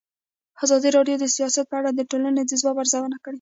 ازادي راډیو د سیاست په اړه د ټولنې د ځواب ارزونه کړې.